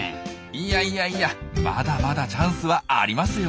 いやいやいやまだまだチャンスはありますよ。